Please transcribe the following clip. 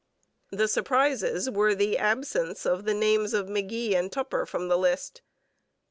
The surprises were the absence of the names of McGee and Tupper from the list.